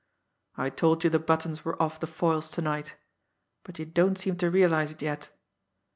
I told you the buttons were off the foils tonight, but you don't seem to realise it yet.